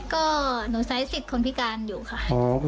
ก็หนูใช้สิทธิ์คนพิการอยู่ค่ะ